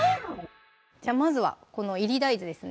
じゃまずはこのいり大豆ですね